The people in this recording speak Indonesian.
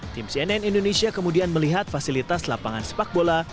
tim cnn indonesia kemudian melihat fasilitas lapangan sepak bola